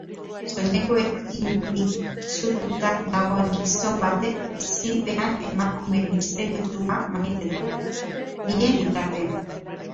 Soinuekin itsututa dagoen gizon batek isilpean emakume misteriotsua maite du, bien bitartean.